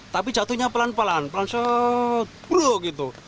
tapi jatuhnya pelan pelan pelan se puluh gitu